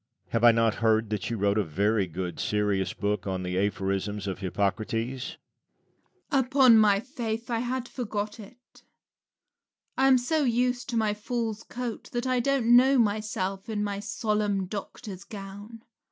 Lucian. Have I not heard that you wrote a very good serious book on the aphorisms of Hippocrates? Rabelais. Upon my faith I had forgot it. I am so used to my fool's coat that I don't know myself in my solemn doctor's gown.